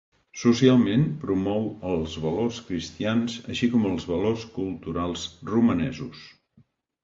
Socialment, promou els valors cristians així com els valors culturals romanesos.